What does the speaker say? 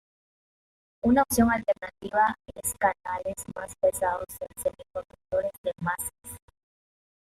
Una opción alternativa es canales más pesados en semiconductores de masas.